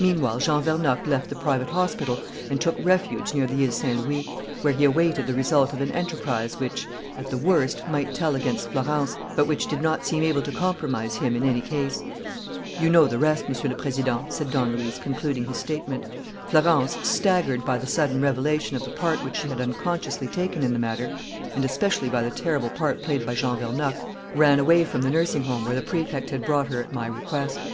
"Meanwhile, Jean Vernocq left the private hospital and took refuge near the Ile Saint Louis, where he awaited the result of an enterprise which, at the worst, might tell against Florence, but which did not seem able to compromise him in any case. "You know the rest, Monsieur le Président," said Don Luis, concluding his statement. "Florence, staggered by the sudden revelation of the part which she had unconsciously taken in the matter, and especially by the terrible part played by Jean Vernocq, ran away from the nursing home where the Prefect had brought her at my request.